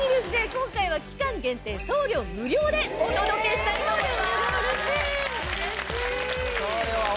今回は期間限定送料無料でお届けしたいと思います！